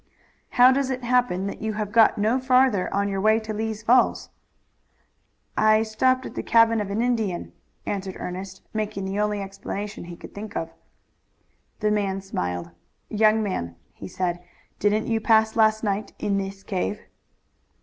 "How does it happen that you have got no farther on your way to Lee's Falls?" "I stopped at the cabin of an Indian," answered Ernest, making the only explanation he could think of. The man smiled. "Young man," he said, "didn't you pass last night in this cave?"